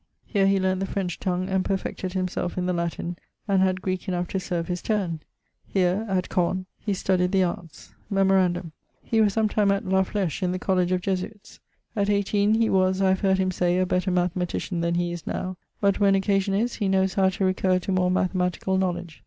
Here he learn't the French tongue, and perfected himselfe in the Latin, and had Greeke enough to serve his turne. Here (at Caen) he studyed the arts. Memorandum: he was sometime at La Flesshe in the college of Jesuites. At 18, he was (I have heard him say) a better mathematician then he is now: but when occasion is, he knows how to recurre to more mathematical knowledge.